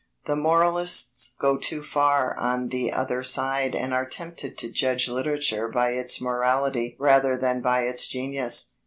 The moralists go too far on the other side and are tempted to judge literature by its morality rather than by its genius.